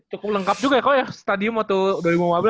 cukup lengkap juga ya kok ya stadium waktu dua ribu lima belas